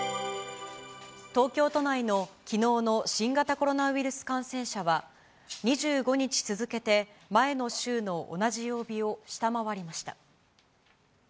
東京都内のきのうの新型コロナウイルス感染者は、２５日続けて前の週の同じ曜日を下回りました。